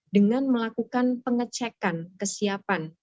dengan melakukan pengecekan kesiapan